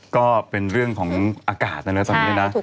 ก็เป็นเรื่องของอากาศนะนะตอนนี้นะ